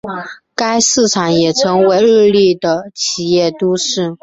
该市场也成为日立的的企业都市。